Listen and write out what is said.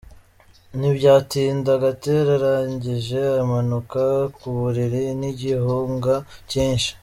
Ntibyatinda, Gatera arangije amanuka ku buriri n’igihunga cyinshi.